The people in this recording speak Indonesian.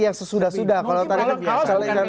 yang sesudah sudah mungkin kalau kaos